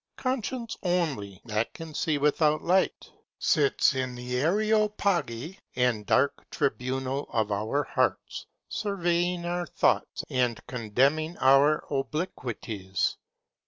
Conscience only, that can see without light, sits in the areopagy and dark tribunal of our hearts, surveying our thoughts and condemning their obliquities.